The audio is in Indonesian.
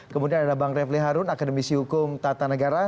kemudian ada bang refli harun akademisi hukum tata negara